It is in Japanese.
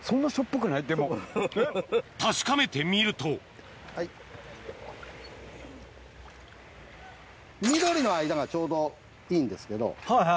確かめてみると緑の間がちょうどいいんですけど。